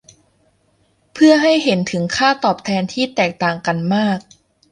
เพื่อให้เห็นถึงค่าตอบแทนที่แตกต่างกันมาก